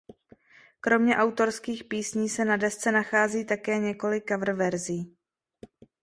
Kromě autorských písní se na desce nachází také několik coververzí.